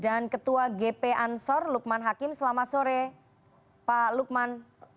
dan ketua gp ansor lukman hakim selamat sore pak lukman